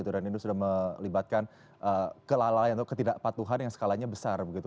dan ini sudah melibatkan kelalaian atau ketidakpatuhan yang skalanya besar